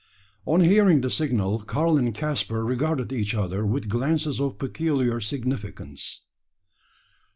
On hearing the signal, Karl and Caspar regarded each other with glances of peculiar significance.